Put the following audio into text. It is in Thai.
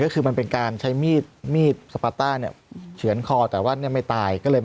ก็คือมันเป็นการใช้มีดสปาตาเนี้ยเฉียนคอแต่ว่ายังไม่ตาย